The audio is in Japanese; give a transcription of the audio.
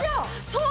そう。